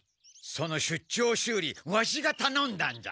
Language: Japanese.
その出張修理ワシがたのんだんだ。